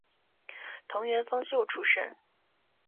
藤原芳秀出身。